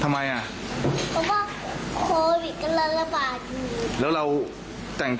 ไม่ได้ไปไหน